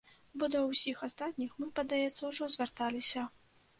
Бо да ўсіх астатніх мы, падаецца, ужо звярталіся.